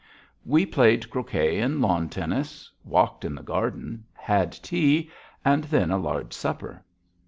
We played croquet and lawn tennis, walked in the garden, had tea, and then a large supper.